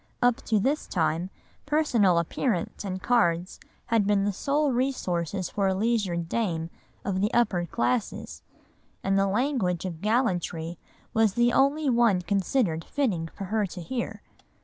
Up to this time, personal appearance and cards had been the sole resources for a leisured dame of the upper classes, and the language of gallantry was the only one considered fitting for her to hear.